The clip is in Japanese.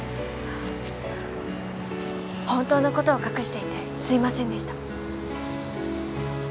本当の事を隠していてすいませんでした。